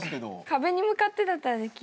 壁に向かってだったらできる。